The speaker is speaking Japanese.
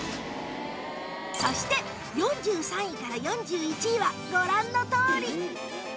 そして４３位から４１位はご覧のとおり